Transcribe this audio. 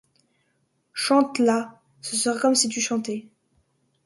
Chante-la ; ce sera comme si tu chantais.